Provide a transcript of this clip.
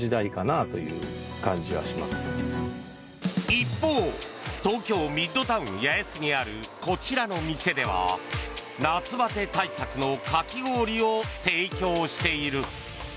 一方東京ミッドタウン八重洲にあるこちらの店では夏バテ対策のかき氷を提供している。